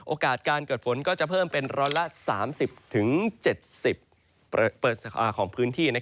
โอกาสการเกิดฝนก็จะเพิ่มเป็นร้อยละ๓๐๗๐ของพื้นที่